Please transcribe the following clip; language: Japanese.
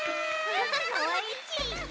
かわいいち！